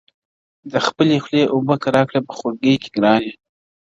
د خپلي خولې اوبه كه راكړې په خولگۍ كي گراني .